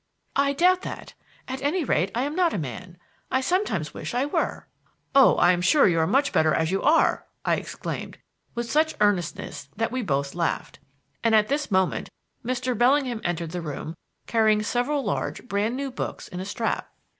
"I doubt that. At any rate, I am not a man. I sometimes wish I were." "Oh, I am sure you are much better as you are!" I exclaimed, with such earnestness that we both laughed. And at this moment Mr. Bellingham entered the room carrying several large brand new books in a strap.